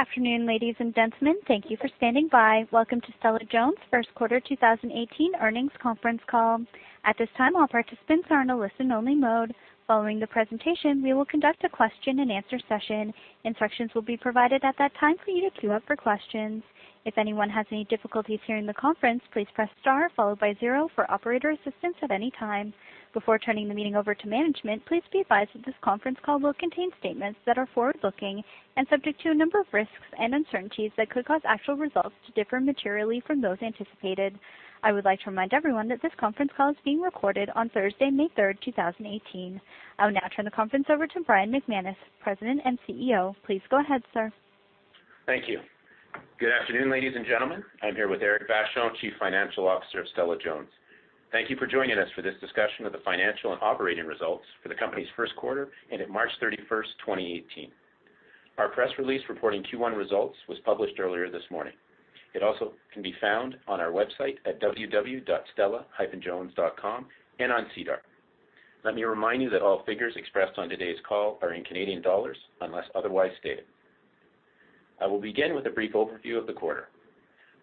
Afternoon, ladies and gentlemen. Thank you for standing by. Welcome to Stella-Jones' first quarter 2018 earnings conference call. At this time, all participants are in a listen-only mode. Following the presentation, we will conduct a question and answer session. Instructions will be provided at that time for you to queue up for questions. If anyone has any difficulties hearing the conference, please press star followed by zero for operator assistance at any time. Before turning the meeting over to management, please be advised that this conference call will contain statements that are forward-looking and subject to a number of risks and uncertainties that could cause actual results to differ materially from those anticipated. I would like to remind everyone that this conference call is being recorded on Thursday, May 3rd, 2018. I will now turn the conference over to Brian McManus, President and CEO. Please go ahead, sir. Thank you. Good afternoon, ladies and gentlemen. I am here with Éric Vachon, Chief Financial Officer of Stella-Jones. Thank you for joining us for this discussion of the financial and operating results for the company's first quarter ended March 31st, 2018. Our press release reporting Q1 results was published earlier this morning. It also can be found on our website at www.stella-jones.com and on SEDAR. Let me remind you that all figures expressed on today's call are in Canadian dollars unless otherwise stated. I will begin with a brief overview of the quarter.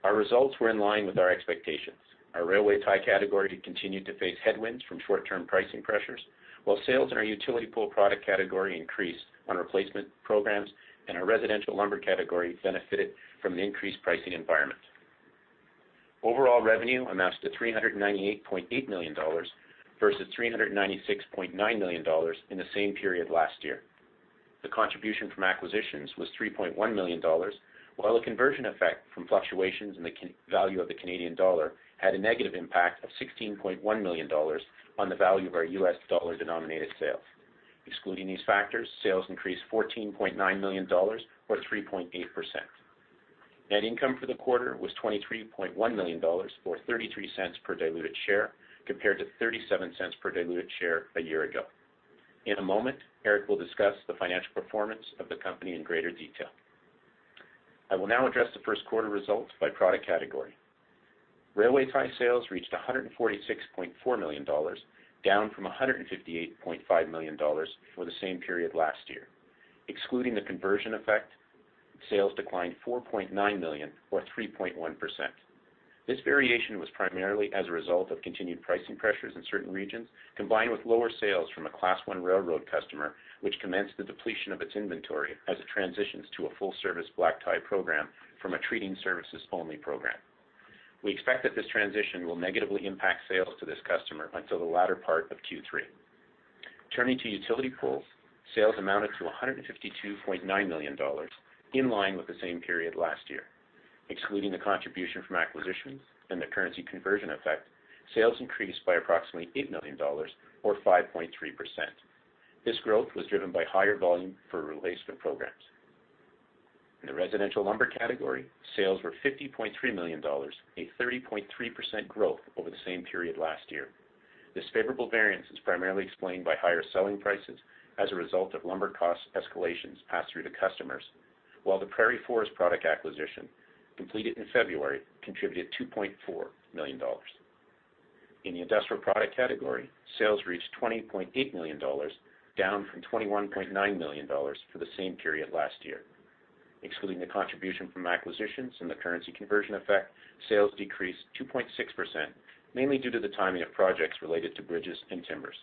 Our results were in line with our expectations. Our railway tie category continued to face headwinds from short-term pricing pressures, while sales in our utility pole product category increased on replacement programs, and our residential lumber category benefited from an increased pricing environment. Overall revenue amounts to 398.8 million dollars versus 396.9 million dollars in the same period last year. The contribution from acquisitions was 3.1 million dollars, while a conversion effect from fluctuations in the value of the Canadian dollar had a negative impact of $16.1 million on the value of our U.S. dollar-denominated sales. Excluding these factors, sales increased 14.9 million dollars or 3.8%. Net income for the quarter was 23.1 million dollars, or 0.33 per diluted share, compared to 0.37 per diluted share a year ago. In a moment, Éric will discuss the financial performance of the company in greater detail. I will now address the first quarter results by product category. Railway tie sales reached 146.4 million dollars, down from 158.5 million dollars for the same period last year. Excluding the conversion effect, sales declined 4.9 million or 3.1%. This variation was primarily as a result of continued pricing pressures in certain regions, combined with lower sales from a Class 1 railroad customer, which commenced the depletion of its inventory as it transitions to a full-service black tie program from a treating services only program. We expect that this transition will negatively impact sales to this customer until the latter part of Q3. Turning to utility poles, sales amounted to 152.9 million dollars, in line with the same period last year. Excluding the contribution from acquisitions and the currency conversion effect, sales increased by approximately 8 million dollars or 5.3%. This growth was driven by higher volume for replacement programs. In the residential lumber category, sales were 50.3 million dollars, a 30.3% growth over the same period last year. This favorable variance is primarily explained by higher selling prices as a result of lumber cost escalations passed through to customers, while the Prairie Forest Products acquisition, completed in February, contributed 2.4 million dollars. In the industrial products category, sales reached 20.8 million dollars, down from 21.9 million dollars for the same period last year. Excluding the contribution from acquisitions and the currency conversion effect, sales decreased 2.6%, mainly due to the timing of projects related to bridges and timbers.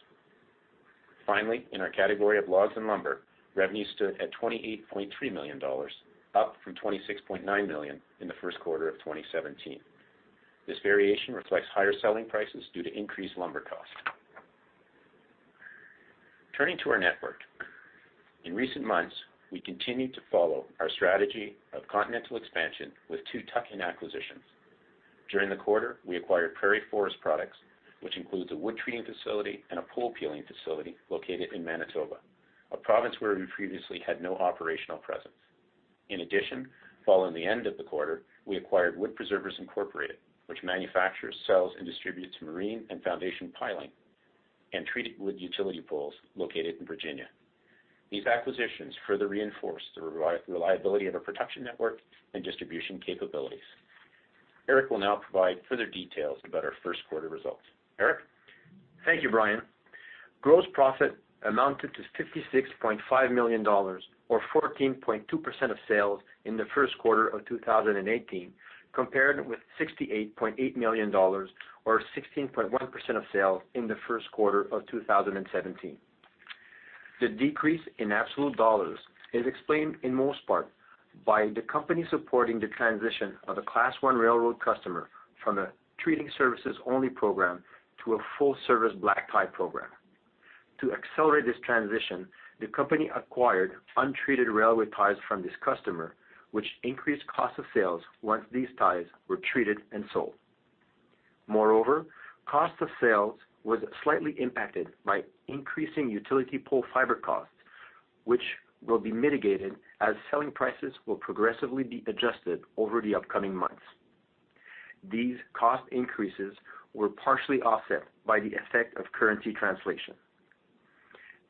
Finally, in our category of logs and lumber, revenue stood at 28.3 million dollars, up from 26.9 million in the first quarter of 2017. This variation reflects higher selling prices due to increased lumber costs. Turning to our network. In recent months, we continued to follow our strategy of continental expansion with two tuck-in acquisitions. During the quarter, we acquired Prairie Forest Products, which includes a wood-treating facility and a pole peeling facility located in Manitoba, a province where we previously had no operational presence. In addition, following the end of the quarter, we acquired Wood Preservers Incorporated, which manufactures, sells, and distributes marine and foundation piling and treated wood utility poles located in Virginia. These acquisitions further reinforce the reliability of our production network and distribution capabilities. Éric will now provide further details about our first quarter results. Éric? Thank you, Brian. Gross profit amounted to 56.5 million dollars, or 14.2% of sales in the first quarter of 2018, compared with CAD 68.8 million, or 16.1% of sales in the first quarter of 2017. The decrease in absolute dollars is explained in most part by the company supporting the transition of a Class 1 railroad customer from a treating services only program to a full-service black tie program. To accelerate this transition, the company acquired untreated railway ties from this customer, which increased cost of sales once these ties were treated and sold. Moreover, cost of sales was slightly impacted by increasing utility pole fiber costs, which will be mitigated as selling prices will progressively be adjusted over the upcoming months. These cost increases were partially offset by the effect of currency translation.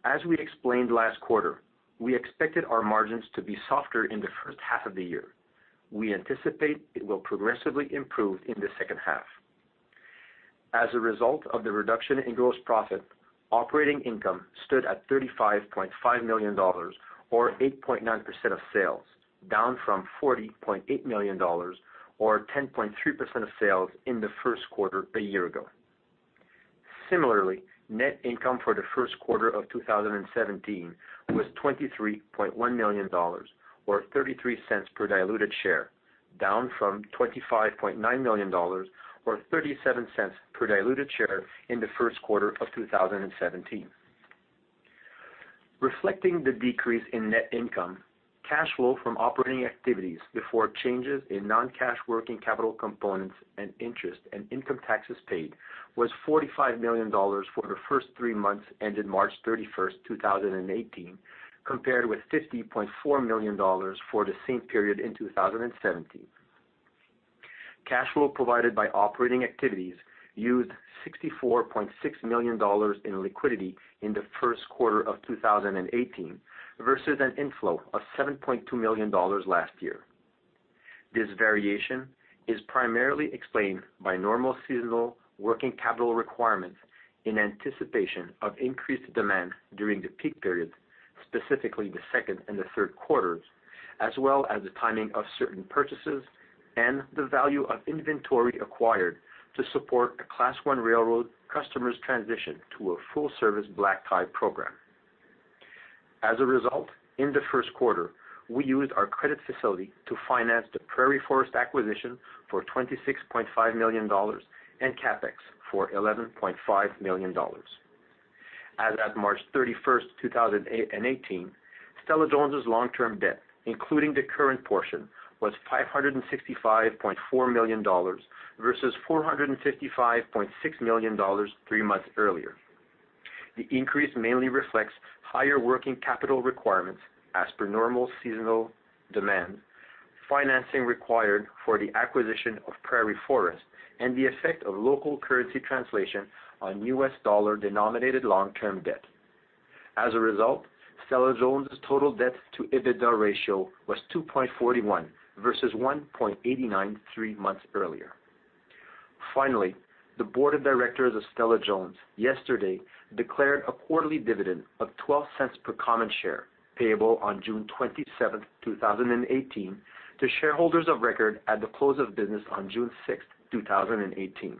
As we explained last quarter, we expected our margins to be softer in the first half of the year. We anticipate it will progressively improve in the second half. As a result of the reduction in gross profit, operating income stood at 35.5 million dollars, or 8.9% of sales, down from 40.8 million dollars or 10.3% of sales in the first quarter a year ago. Similarly, net income for the first quarter of 2017 was 23.1 million dollars, or 0.33 per diluted share, down from 25.9 million dollars or 0.37 per diluted share in the first quarter of 2017. Reflecting the decrease in net income, cash flow from operating activities before changes in non-cash working capital components and interest and income taxes paid was 45 million dollars for the first three months ended March 31st, 2018, compared with 50.4 million dollars for the same period in 2017. Cash flow provided by operating activities used 64.6 million dollars in liquidity in the first quarter of 2018 versus an inflow of 7.2 million dollars last year. This variation is primarily explained by normal seasonal working capital requirements in anticipation of increased demand during the peak periods, specifically the second and the third quarters, as well as the timing of certain purchases and the value of inventory acquired to support a Class 1 railroad customer's transition to a full-service black tie program. As a result, in the first quarter, we used our credit facility to finance the Prairie Forest acquisition for 26.5 million dollars and CapEx for 11.5 million dollars. As at March 31st, 2018, Stella-Jones' long-term debt, including the current portion, was 565.4 million dollars versus 455.6 million dollars three months earlier. The increase mainly reflects higher working capital requirements as per normal seasonal demand, financing required for the acquisition of Prairie Forest, and the effect of local currency translation on U.S. dollar-denominated long-term debt. As a result, Stella-Jones' total debt to EBITDA ratio was 2.41 versus 1.89 three months earlier. Finally, the board of directors of Stella-Jones yesterday declared a quarterly dividend of 0.12 per common share, payable on June 27th, 2018 to shareholders of record at the close of business on June 6th, 2018.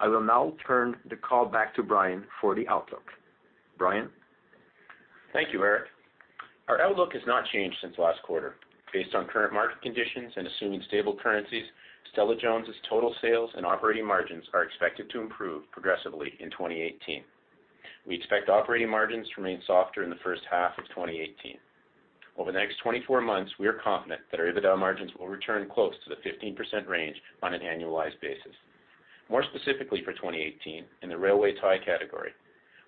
I will now turn the call back to Brian for the outlook. Brian? Thank you, Éric. Our outlook has not changed since last quarter. Based on current market conditions and assuming stable currencies, Stella-Jones' total sales and operating margins are expected to improve progressively in 2018. We expect operating margins to remain softer in the first half of 2018. Over the next 24 months, we are confident that our EBITDA margins will return close to the 15% range on an annualized basis. More specifically for 2018, in the railway tie category,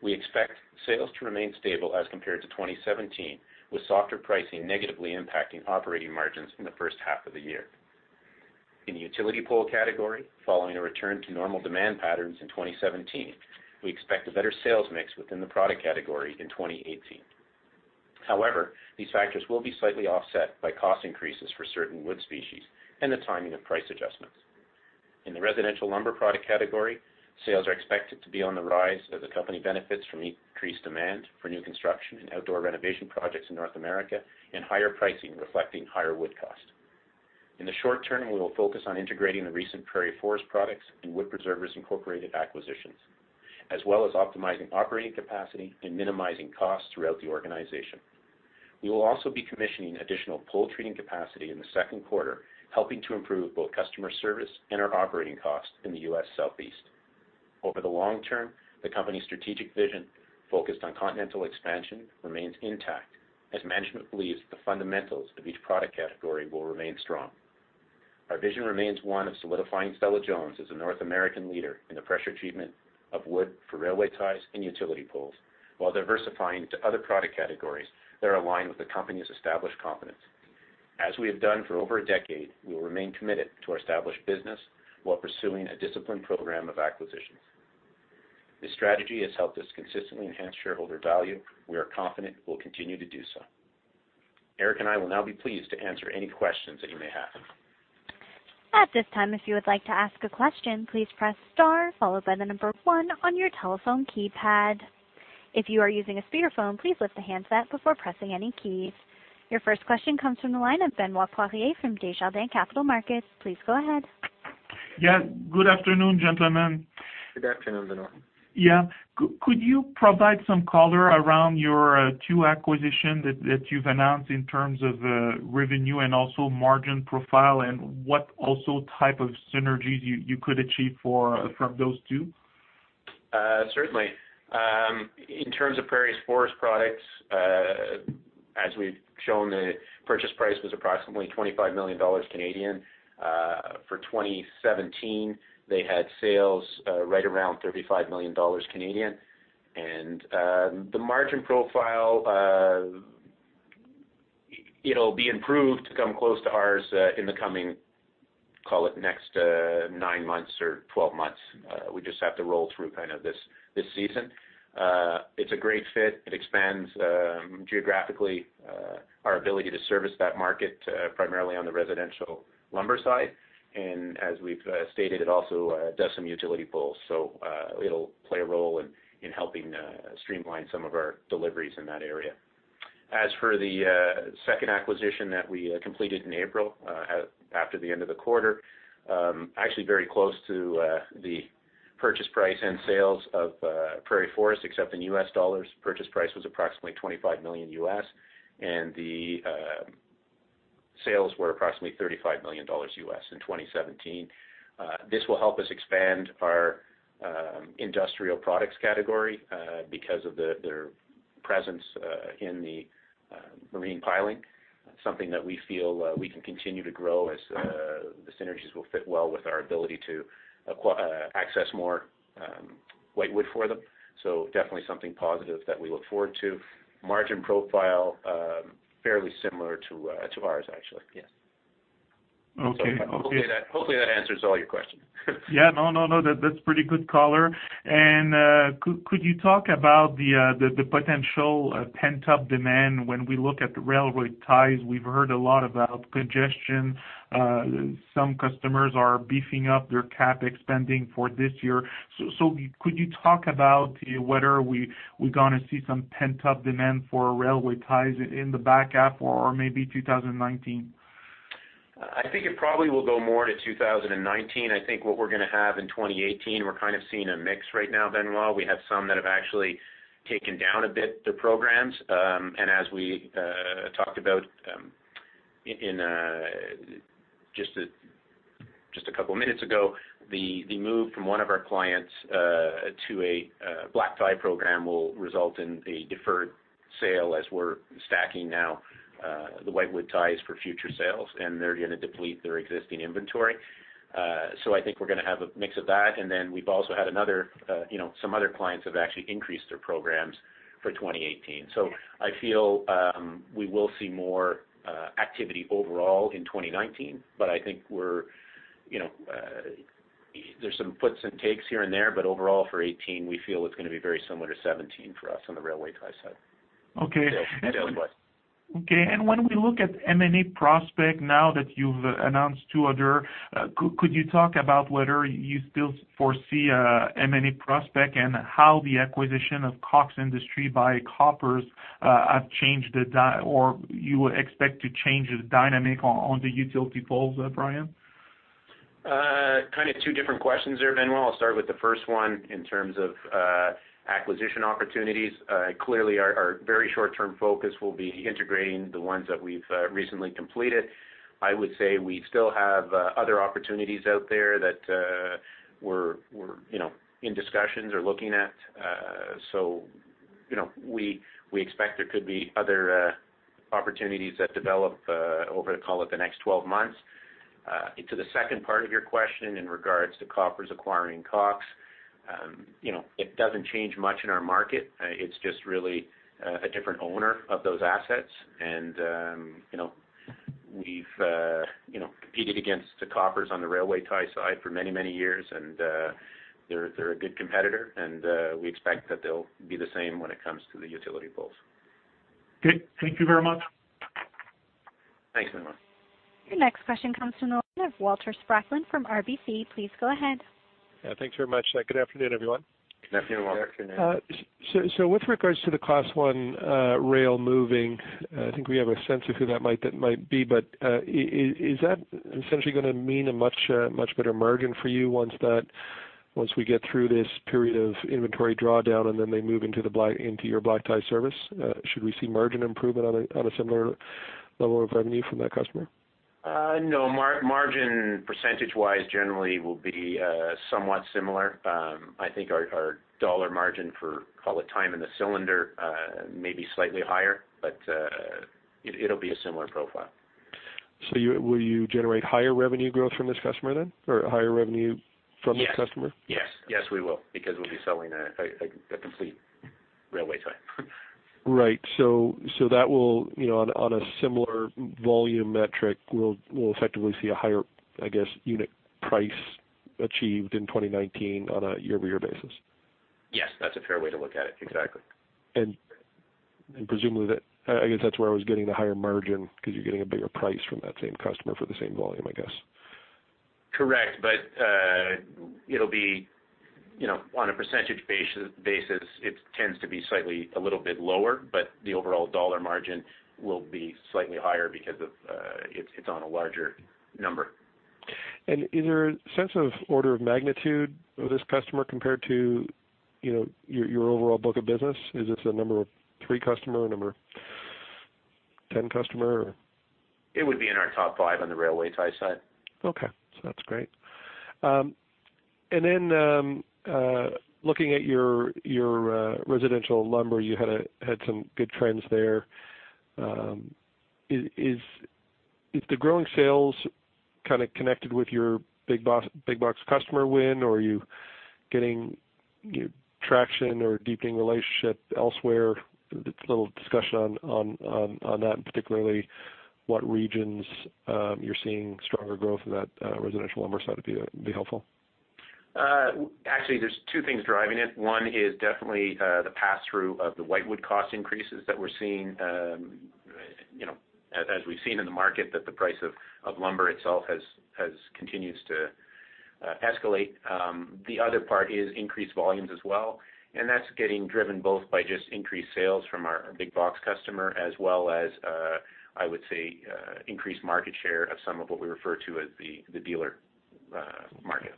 we expect sales to remain stable as compared to 2017, with softer pricing negatively impacting operating margins in the first half of the year. In the utility pole category, following a return to normal demand patterns in 2017, we expect a better sales mix within the product category in 2018. However, these factors will be slightly offset by cost increases for certain wood species and the timing of price adjustments. In the residential lumber product category, sales are expected to be on the rise as the company benefits from increased demand for new construction and outdoor renovation projects in North America and higher pricing reflecting higher wood cost. In the short term, we will focus on integrating the recent Prairie Forest Products and Wood Preservers Incorporated acquisitions, as well as optimizing operating capacity and minimizing costs throughout the organization. We will also be commissioning additional pole treating capacity in the second quarter, helping to improve both customer service and our operating costs in the U.S. Southeast. Over the long term, the company's strategic vision, focused on continental expansion, remains intact as management believes the fundamentals of each product category will remain strong. Our vision remains one of solidifying Stella-Jones as a North American leader in the pressure treatment of wood for railway ties and utility poles while diversifying to other product categories that are aligned with the company's established competence. As we have done for over a decade, we will remain committed to our established business while pursuing a disciplined program of acquisitions. This strategy has helped us consistently enhance shareholder value. We are confident we will continue to do so. Éric and I will now be pleased to answer any questions that you may have. At this time, if you would like to ask a question, please press star followed by the number one on your telephone keypad. If you are using a speakerphone, please lift the handset before pressing any keys. Your first question comes from the line of Benoit Poirier from Desjardins Capital Markets. Please go ahead. Yes. Good afternoon, gentlemen. Good afternoon, Benoit. Yeah. Could you provide some color around your two acquisitions that you've announced in terms of revenue and also margin profile, and what also type of synergies you could achieve from those two? Certainly. In terms of Prairie Forest Products, as we've shown, the purchase price was approximately 25 million Canadian dollars. For 2017, they had sales right around 35 million Canadian dollars. And the margin profile, it'll be improved to come close to ours in the coming, call it, next nine months or 12 months. We just have to roll through kind of this season. It's a great fit. It expands geographically our ability to service that market, primarily on the residential lumber side, and as we've stated, it also does some utility poles. It'll play a role in helping streamline some of our deliveries in that area. As for the second acquisition that we completed in April, after the end of the quarter, actually very close to the purchase price and sales of Prairie Forest, except in US dollars. Purchase price was approximately $25 million, and the sales were approximately $35 million in 2017. This will help us expand our industrial products category, because of their presence in the marine piling. Something that we feel we can continue to grow as the synergies will fit well with our ability to access more whitewood for them. Definitely something positive that we look forward to. Margin profile, fairly similar to ours, actually. Yes. Okay. Hopefully that answers all your questions. Yeah. No, that's pretty good color. Could you talk about the potential pent-up demand when we look at the railway ties? We've heard a lot about congestion. Some customers are beefing up their CapEx spending for this year. Could you talk about whether we're going to see some pent-up demand for railway ties in the back half or maybe 2019? I think it probably will go more to 2019. I think what we're going to have in 2018, we're kind of seeing a mix right now, Benoit. We have some that have actually taken down a bit their programs. As we talked about just a couple of minutes ago, the move from one of our clients to a black tie program will result in a deferred sale as we're stacking now the whitewood ties for future sales, and they're going to deplete their existing inventory. I feel we will see more activity overall in 2019. I think there's some puts and takes here and there, but overall for 2018, we feel it's going to be very similar to 2017 for us on the railway tie side. Okay. Sales-wise. Okay. When we look at M&A prospect, now that you've announced two other, could you talk about whether you still foresee a M&A prospect and how the acquisition of Cox Industries by Koppers has changed or you expect to change the dynamic on the utility poles, Brian? Kind of two different questions there, Benoit. I'll start with the first one in terms of acquisition opportunities. Clearly our very short-term focus will be integrating the ones that we've recently completed. I would say we still have other opportunities out there that we're in discussions or looking at. We expect there could be other opportunities that develop over, call it, the next 12 months. To the second part of your question in regards to Koppers acquiring Cox, it doesn't change much in our market. It's just really a different owner of those assets and we've competed against the Koppers on the railway tie side for many, many years, and they're a good competitor, and we expect that they'll be the same when it comes to the utility poles. Good. Thank you very much. Thanks, Benoit. Your next question comes from the line of Walter Spracklen from RBC. Please go ahead. Yeah. Thanks very much. Good afternoon, everyone. Good afternoon, Walter. Good afternoon. With regards to the Class 1 rail moving, I think we have a sense of who that might be, but is that essentially gonna mean a much better margin for you once we get through this period of inventory drawdown and then they move into your black tie service? Should we see margin improvement on a similar level of revenue from that customer? No, margin percentage-wise generally will be somewhat similar. I think our dollar margin for, call it, time in the cylinder, may be slightly higher, but it will be a similar profile. Will you generate higher revenue growth from this customer then, or higher revenue from this customer? Yes. Yes, we will, because we will be selling a complete railway tie. Right. That will, on a similar volume metric, we will effectively see a higher, I guess, unit price achieved in 2019 on a year-over-year basis. Yes, that's a fair way to look at it. Exactly. Presumably that I guess that's where I was getting the higher margin because you're getting a bigger price from that same customer for the same volume, I guess. Correct. It'll be on a percentage basis, it tends to be slightly a little bit lower, but the overall dollar margin will be slightly higher because it's on a larger number. Is there a sense of order of magnitude of this customer compared to your overall book of business? Is this a number 3 customer or number 10 customer or? It would be in our top five on the railway tie side. That's great. Looking at your residential lumber, you had some good trends there. Is the growing sales kind of connected with your big box customer win, or are you getting traction or deepening relationship elsewhere? A little discussion on that, and particularly what regions you're seeing stronger growth in that residential lumber side would be helpful. There's two things driving it. One is definitely the pass-through of the whitewood cost increases that we're seeing, as we've seen in the market, that the price of lumber itself continues to escalate. The other part is increased volumes as well, and that's getting driven both by just increased sales from our big box customer as well as, I would say, increased market share of some of what we refer to as the dealer market.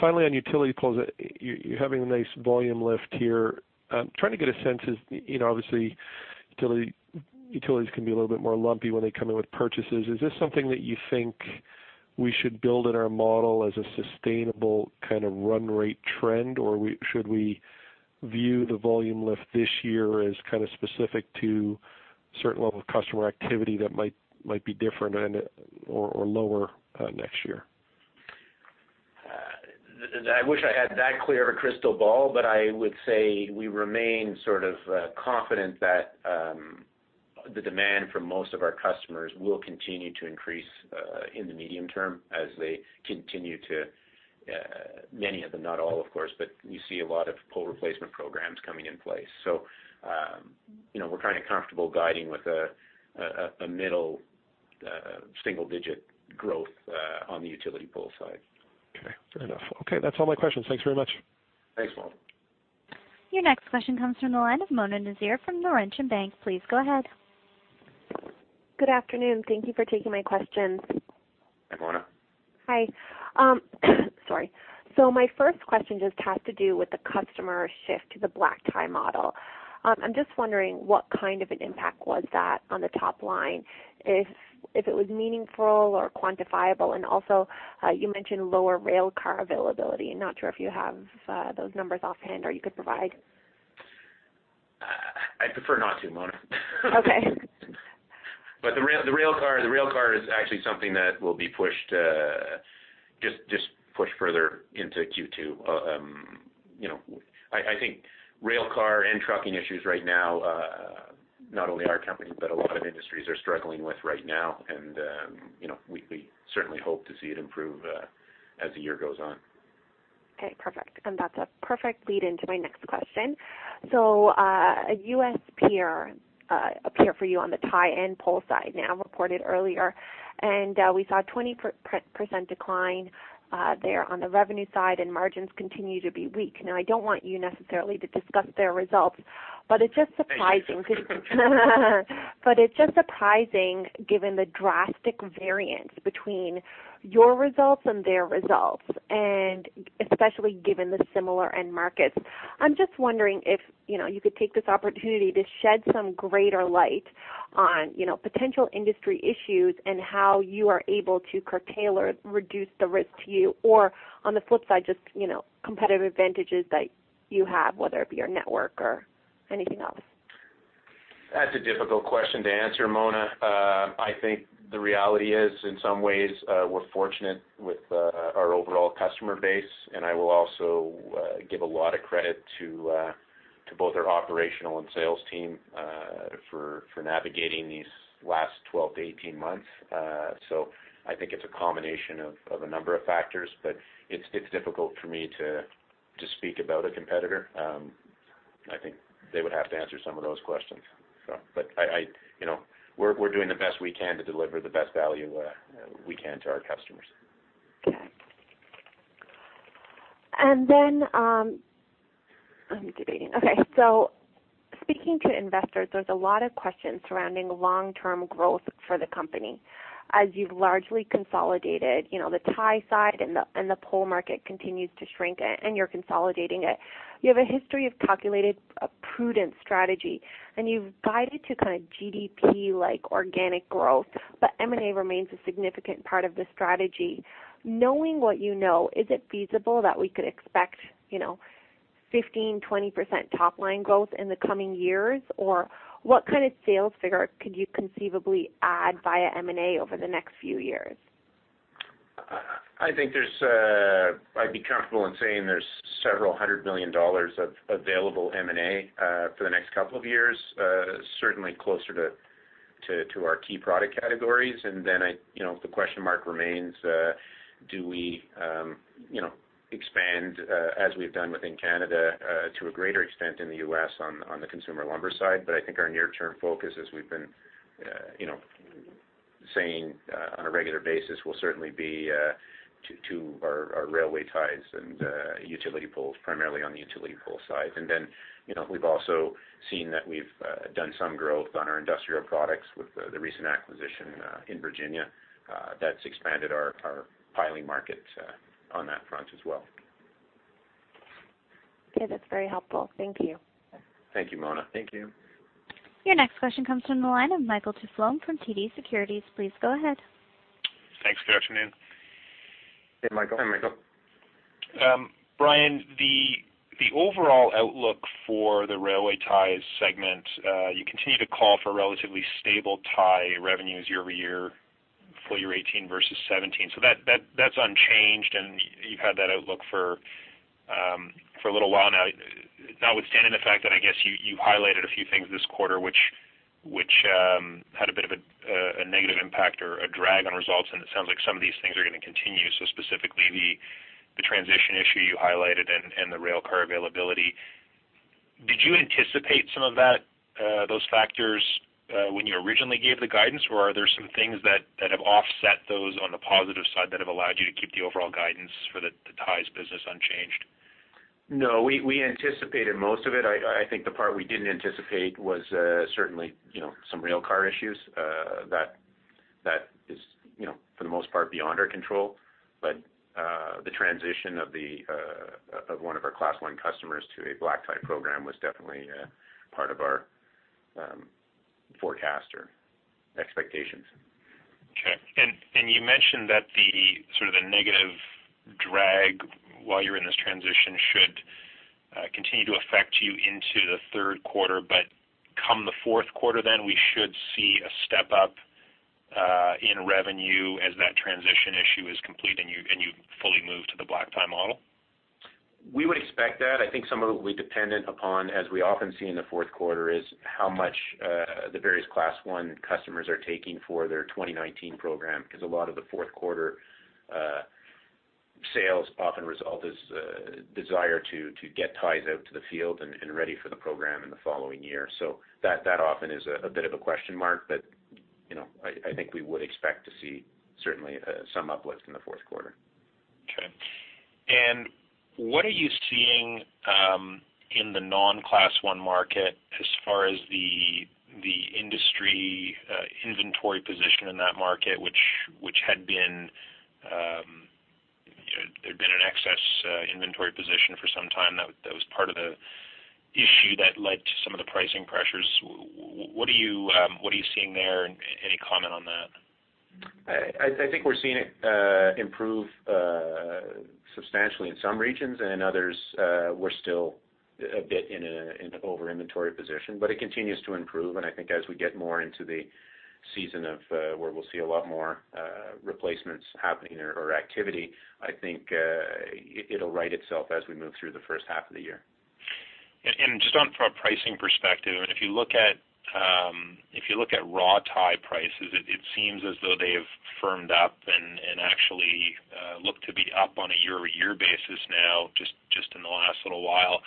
Finally, on utility poles, you're having a nice volume lift here. I'm trying to get a sense, obviously, utilities can be a little bit more lumpy when they come in with purchases. Is this something that you think we should build in our model as a sustainable kind of run rate trend? Or should we view the volume lift this year as kind of specific to a certain level of customer activity that might be different or lower next year? I wish I had that clear a crystal ball. I would say we remain sort of confident that the demand from most of our customers will continue to increase in the medium term as they continue to, many of them, not all of course, but you see a lot of utility pole replacement programs coming in place. We're kind of comfortable guiding with a middle single-digit growth on the utility pole side. Okay, fair enough. That's all my questions. Thanks very much. Thanks, Mark. Your next question comes from the line of Mona Nazir from Laurentian Bank. Please go ahead. Good afternoon. Thank you for taking my questions. Hi, Mona. Hi. Sorry. My first question just has to do with the customer shift to the black tie model. I'm just wondering what kind of an impact was that on the top line, if it was meaningful or quantifiable. Also, you mentioned lower railcar availability. Not sure if you have those numbers offhand or you could provide. I'd prefer not to, Mona. Okay. The railcar is actually something that will be pushed further into Q2. I think railcar and trucking issues right now, not only our company, but a lot of industries are struggling with right now, and we certainly hope to see it improve as the year goes on. Okay, perfect. That's a perfect lead-in to my next question. A U.S. peer for you on the tie and pole side now reported earlier, and we saw a 20% decline there on the revenue side, and margins continue to be weak. Now, I don't want you necessarily to discuss their results, but it's just surprising. Thank you. It's just surprising given the drastic variance between your results and their results, and especially given the similar end markets. I'm just wondering if you could take this opportunity to shed some greater light on potential industry issues and how you are able to curtail or reduce the risk to you or on the flip side, just competitive advantages that you have, whether it be your network or anything else. That's a difficult question to answer, Mona. I think the reality is, in some ways, we're fortunate with our overall customer base, and I will also give a lot of credit to both our operational and sales team for navigating these last 12-18 months. I think it's a combination of a number of factors, but it's difficult for me to speak about a competitor. I think they would have to answer some of those questions. We're doing the best we can to deliver the best value we can to our customers. Okay. I'm debating. Okay, speaking to investors, there's a lot of questions surrounding long-term growth for the company. As you've largely consolidated the tie side and the pole market continues to shrink, and you're consolidating it. You have a history of calculated, prudent strategy, and you've guided to kind of GDP-like organic growth, but M&A remains a significant part of the strategy. Knowing what you know, is it feasible that we could expect 15%-20% top-line growth in the coming years? Or what kind of sales figure could you conceivably add via M&A over the next few years? I'd be comfortable in saying there's several hundred million CAD of available M&A for the next couple of years, certainly closer to our key product categories. The question mark remains: Do we expand as we've done within Canada to a greater extent in the U.S. on the residential lumber side? I think our near-term focus, as we've been saying on a regular basis, will certainly be to our railway ties and utility poles, primarily on the utility pole side. And then, we've also seen that we've done some growth on our industrial products with the recent acquisition in Virginia. That's expanded our piling market on that front as well. Okay. That's very helpful. Thank you. Thank you, Mona. Thank you. Your next question comes from the line of Michael Tupholme from TD Securities. Please go ahead. Thanks. Good afternoon. Hey, Michael. Hi, Michael. Brian, the overall outlook for the railway ties segment, you continue to call for relatively stable tie revenues year-over-year, full year 2018 versus 2017. That's unchanged, and you've had that outlook for a little while now, notwithstanding the fact that I guess you highlighted a few things this quarter which had a bit of a negative impact or a drag on results, and it sounds like some of these things are going to continue. Specifically the transition issue you highlighted and the railcar availability. Did you anticipate some of those factors when you originally gave the guidance, or are there some things that have offset those on the positive side that have allowed you to keep the overall guidance for the ties business unchanged? No, we anticipated most of it. I think the part we didn't anticipate was certainly some railcar issues that is for the most part beyond our control, but the transition of one of our Class 1 customers to a black tie program was definitely part of our forecast or expectations. Okay. You mentioned that the sort of negative drag while you're in this transition should continue to affect you into the third quarter, but come the fourth quarter, then we should see a step up in revenue as that transition issue is complete and you fully move to the black tie model? We would expect that. I think some of it will be dependent upon, as we often see in the fourth quarter, how much the various Class 1 customers are taking for their 2019 program, because a lot of the fourth quarter sales often result as a desire to get ties out to the field and ready for the program in the following year. That often is a bit of a question mark. I think we would expect to see certainly some uplift in the fourth quarter. Okay. What are you seeing in the non-Class 1 market as far as the industry inventory position in that market, which had been an excess inventory position for some time. That was part of the issue that led to some of the pricing pressures. What are you seeing there, and any comment on that? I think we're seeing it improve substantially in some regions, and in others we're still a bit in an over inventory position, but it continues to improve, and I think as we get more into the season of where we'll see a lot more replacements happening or activity, I think it'll right itself as we move through the first half of the year. Just from a pricing perspective, and if you look at raw tie prices, it seems as though they have firmed up and actually look to be up on a year-over-year basis now just in the last little while.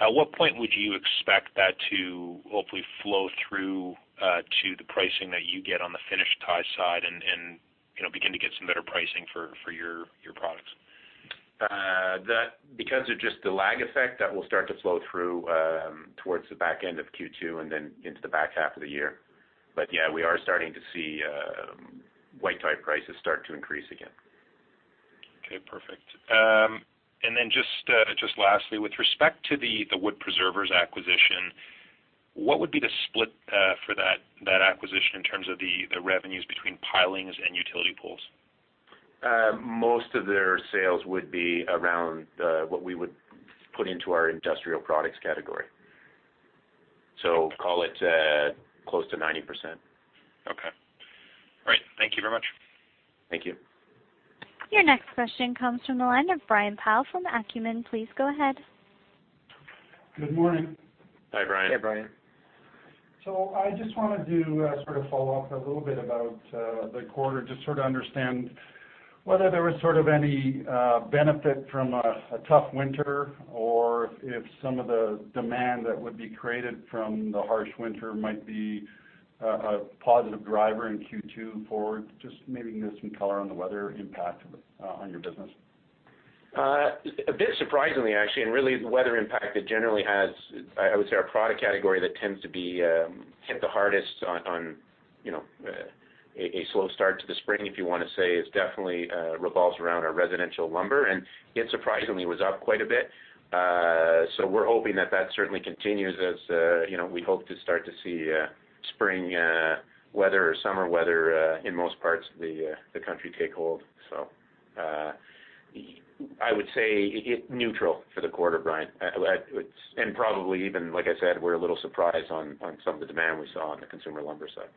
At what point would you expect that to hopefully flow through to the pricing that you get on the finished tie side and begin to get some better pricing for your products? Because of just the lag effect, that will start to flow through towards the back end of Q2 and then into the back half of the year. Yeah, we are starting to see white tie prices start to increase again. Okay, perfect. Just lastly, with respect to the Wood Preservers acquisition, what would be the split for that acquisition in terms of the revenues between pilings and utility poles? Most of their sales would be around what we would put into our industrial products category. Call it close to 90%. Okay. All right. Thank you very much. Thank you. Your next question comes from the line of Brian Pyle from Acumen. Please go ahead. Good morning. Hi, Brian. Hey, Brian. I just wanted to sort of follow up a little bit about the quarter, just sort of understand whether there was sort of any benefit from a tough winter or if some of the demand that would be created from the harsh winter might be a positive driver in Q2 forward. Just maybe give some color on the weather impact on your business. A bit surprisingly, actually, really the weather impact it generally has, I would say our product category that tends to be hit the hardest on a slow start to the spring, if you want to say, is definitely revolves around our residential lumber, yet surprisingly was up quite a bit. We're hoping that certainly continues as we hope to start to see spring weather or summer weather in most parts of the country take hold. I would say neutral for the quarter, Brian. Probably even, like I said, we're a little surprised on some of the demand we saw on the consumer lumber side.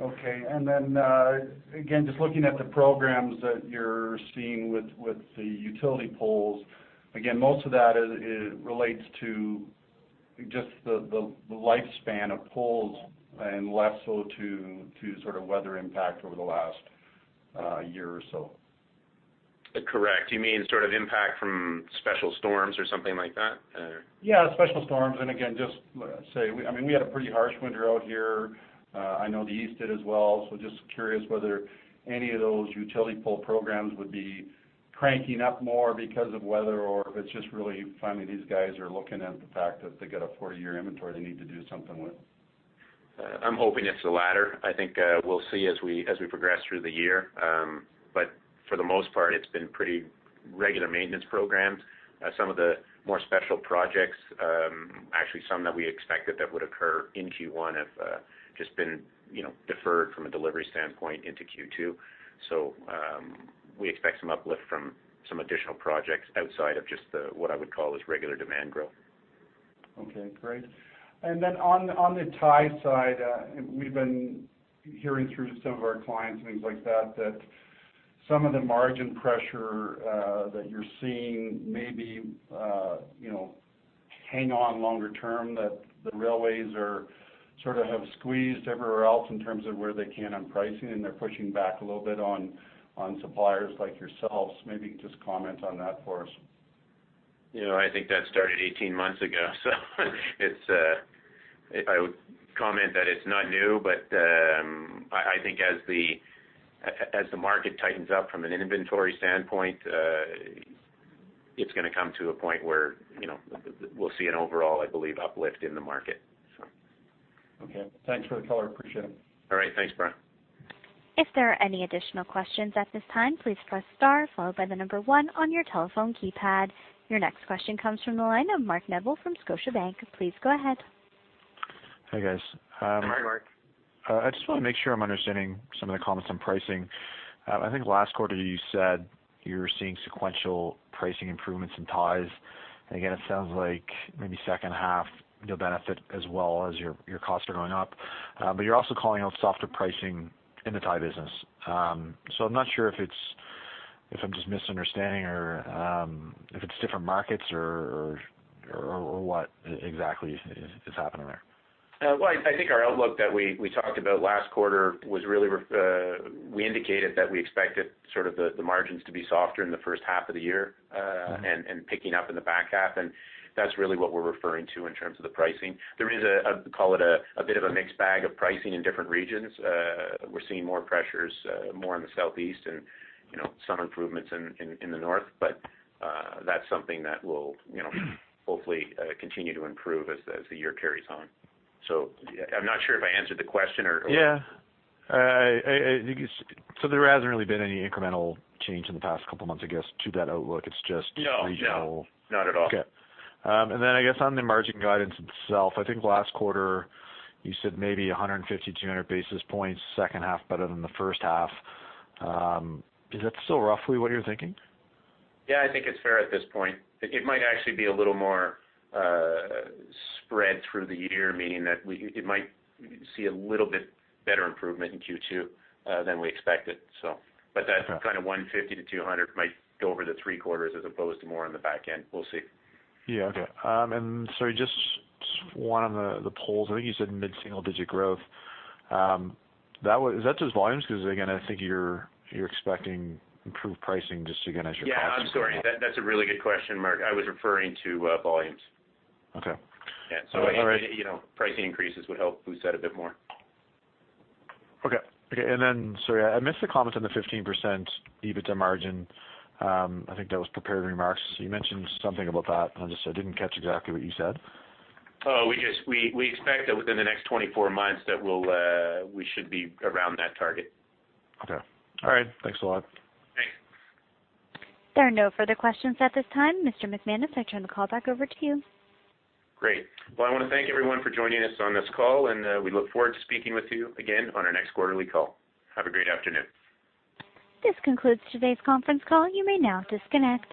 Okay. Then again, just looking at the programs that you are seeing with the Utility Poles, again, most of that relates to just the lifespan of poles and less so to sort of weather impact over the last year or so. Correct. You mean sort of impact from special storms or something like that? Yeah, special storms. Again, we had a pretty harsh winter out here. I know the East did as well. Just curious whether any of those Utility Pole programs would be cranking up more because of weather, or if it is just really finally these guys are looking at the fact that they get a four-year inventory they need to do something with. I am hoping it is the latter. I think we will see as we progress through the year. For the most part, it has been pretty regular maintenance programs. Some of the more special projects, actually some that we expected that would occur in Q1 have just been deferred from a delivery standpoint into Q2. We expect some uplift from some additional projects outside of just what I would call as regular demand growth. Okay, great. On the tie side, we've been hearing through some of our clients, things like that some of the margin pressure that you're seeing maybe hang on longer term, that the railways sort of have squeezed everywhere else in terms of where they can on pricing, and they're pushing back a little bit on suppliers like yourselves. Maybe just comment on that for us. I think that started 18 months ago. I would comment that it's not new, but I think as the market tightens up from an inventory standpoint, it's going to come to a point where we'll see an overall, I believe, uplift in the market. Okay. Thanks for the color. Appreciate it. All right. Thanks, Brian. If there are any additional questions at this time, please press star followed by the number one on your telephone keypad. Your next question comes from the line of Mark Neville from Scotiabank. Please go ahead. Hi, guys. Hi, Mark. I just want to make sure I'm understanding some of the comments on pricing. I think last quarter you said you were seeing sequential pricing improvements in ties. Again, it sounds like maybe second half you'll benefit as well as your costs are going up. You're also calling out softer pricing in the tie business. I'm not sure if I'm just misunderstanding or if it's different markets or what exactly is happening there. Well, I think our outlook that we talked about last quarter was really we indicated that we expected the margins to be softer in the first half of the year. Picking up in the back half. That's really what we're referring to in terms of the pricing. There is, call it a bit of a mixed bag of pricing in different regions. We're seeing more pressures more in the southeast and some improvements in the north. That's something that will hopefully continue to improve as the year carries on. I'm not sure if I answered the question or. Yeah. There hasn't really been any incremental change in the past couple of months, I guess, to that outlook. It's just regional. No, not at all. Okay. I guess on the margin guidance itself, I think last quarter you said maybe 150-200 basis points, second half better than the first half. Is that still roughly what you're thinking? Yeah, I think it's fair at this point. It might actually be a little more spread through the year, meaning that we might see a little bit better improvement in Q2 than we expected. That kind of 150-200 might go over the three quarters as opposed to more on the back end. We'll see. Yeah. Okay. Sorry, just one on the poles. I think you said mid-single digit growth. Is that just volumes? Again, I think you're expecting improved pricing. Yeah, I'm sorry. That's a really good question, Mark. I was referring to volumes. Okay. All right. Yeah. Pricing increases would help boost that a bit more. Okay. Sorry, I missed the comment on the 15% EBITDA margin. I think that was prepared remarks. You mentioned something about that. I just didn't catch exactly what you said. Oh, we expect that within the next 24 months that we should be around that target. Okay. All right. Thanks a lot. Thanks. There are no further questions at this time. Mr. McManus, I turn the call back over to you. Great. Well, I want to thank everyone for joining us on this call, and we look forward to speaking with you again on our next quarterly call. Have a great afternoon. This concludes today's conference call. You may now disconnect.